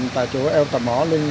tại chỗ eo tà mỏ